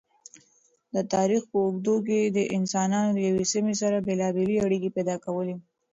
د تاریخ په اوږدو کی انسانانو د یوی سمی سره بیلابیلی اړیکی پیدا کولی